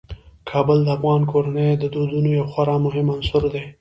کابل د افغان کورنیو د دودونو یو خورا مهم عنصر دی.